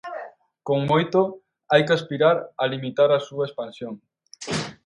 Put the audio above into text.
Como moito hai que aspirar a limitar a súa expansión.